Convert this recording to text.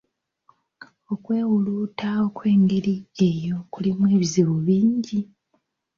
Okwewulunta okwengeri eyo kulimu ebizibu bingi.